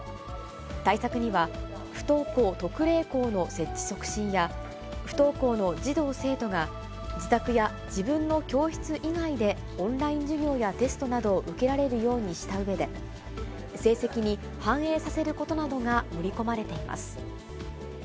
対策には不登校特例校の設置促進や、不登校の児童・生徒が、自宅や自分の教室以外でオンライン授業やテストなどを受けられるようにしたうえで、成績に反映させることなどが盛り込まれています。